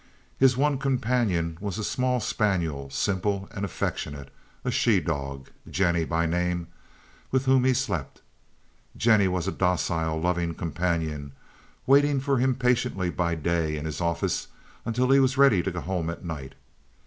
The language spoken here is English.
His one companion was a small spaniel, simple and affectionate, a she dog, Jennie by name, with whom he slept. Jennie was a docile, loving companion, waiting for him patiently by day in his office until he was ready to go home at night.